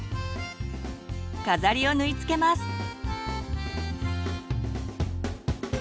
飾りを縫いつけます。